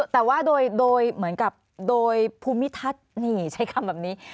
แต่ว่าโดยเหมือนกับโดยภูมิทัศน์นี่ใช้คำแบบนี้